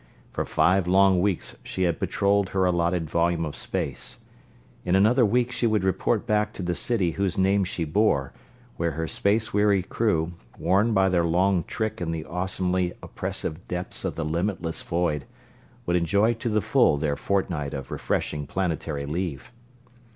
For five long weeks she had patrolled her allotted volume of space. In another week she would report back to the city whose name she bore, where her space weary crew, worn by their long "trick" in the awesomely oppressive depths of the limitless void, would enjoy to the full their fortnight of refreshing planetary leave.